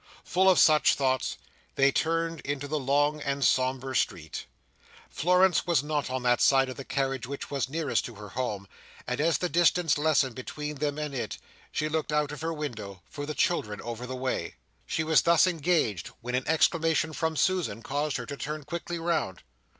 Full of such thoughts, they turned into the long and sombre street. Florence was not on that side of the carriage which was nearest to her home, and as the distance lessened between them and it, she looked out of her window for the children over the way. She was thus engaged, when an exclamation from Susan caused her to turn quickly round.